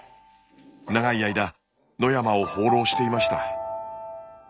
長い間野山を放浪していました。